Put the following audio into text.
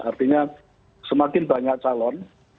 artinya semakin banyak calon